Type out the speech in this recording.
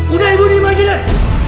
udah ibu dimajinin